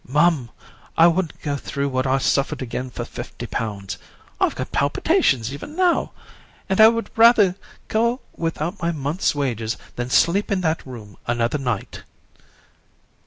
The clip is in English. Mum, I wouldn't go through what I suffered again for fifty pounds; I've got palpitations even now; and I would rather go without my month's wages than sleep in that room another night.'